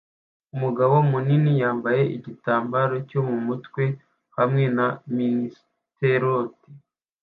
Umugabo munini yambaye igitambaro cyo mumutwe hamwe na mistletoe